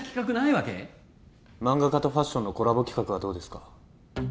漫画家とファッションのコラボ企画はどうですか？